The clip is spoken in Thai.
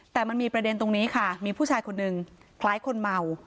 แต่มันมีประเด็นตรงนี้ค่ะมีผู้ชายคนนึงคล้ายคนเมา